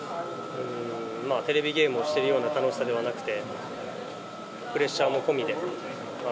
テレビゲームをしてるような楽しさではなくて、プレッシャーも込みで。